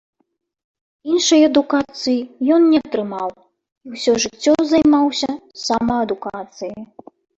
Іншай адукацыі ён не атрымаў, і ўсё жыццё займаўся самаадукацыяй.